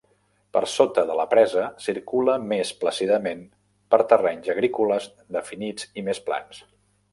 Per sota de la presa, circula més plàcidament per terrenys agrícoles definits i més plans.